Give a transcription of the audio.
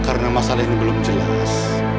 karena masalah ini belum jelas